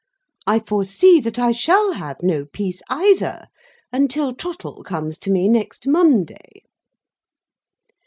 I foresee that I shall have no peace, either, until Trottle comes to me, next Monday."